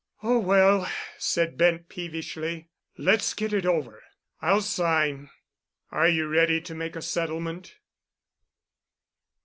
"Oh, well," said Bent peevishly, "let's get it over. I'll sign. Are you ready to make a settlement?"